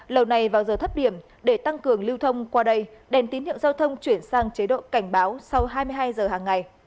lâu nay vào giờ thấp điểm để tăng cường lưu thông qua đây đèn tín hiệu giao thông chuyển sang chế độ cảnh báo sau hai mươi hai giờ hàng ngày